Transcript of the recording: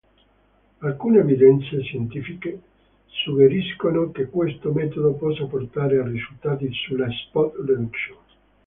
Alcune evidenze scientifiche suggeriscono che questo metodo possa portare a risultati sulla "Spot reduction".